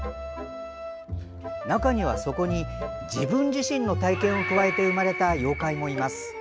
中にはそこに自分自身の体験を加えて生まれた妖怪もいます。